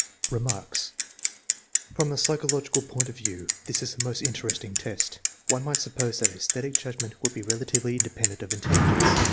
Remarks. From the psychological point of view this is a most interesting test. One might suppose that aesthetic judgment would be relatively independent of intelligence.